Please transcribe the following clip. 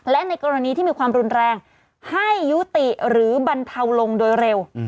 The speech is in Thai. และในกรณีที่มีความรุนแรงให้ยุติหรือบรรเทาลงโดยเร็ว